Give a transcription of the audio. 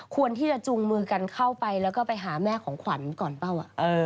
ควรที่จะจูงมือกันเข้าไปแล้วก็ไปหาแม่ของขวัญก่อนเปล่า